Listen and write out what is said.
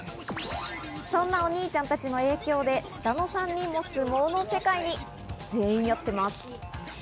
そしてお兄ちゃんたちの影響で下の弟たちも相撲を全員やっています。